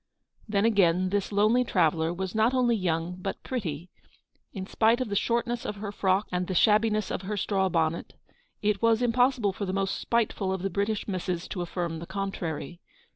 Then, again, this lonely traveller was not only young but pretty. In spite of the shortness of her frock and the shabbiness of her straw bon net, it was impossible for the most spiteful of the British misses to affirm the contrary.